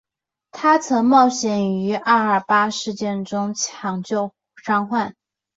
她曾冒险于二二八事件中抢救伤患。